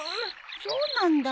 そうなんだ。